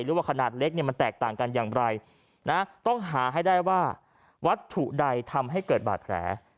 ว่าขนาดเล็กเนี่ยมันแตกต่างกันอย่างไรนะต้องหาให้ได้ว่าวัตถุใดทำให้เกิดบาดแผล